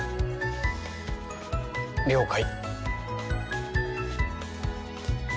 了解。